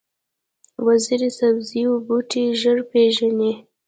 وزې د سبزیو بوټي ژر پېژني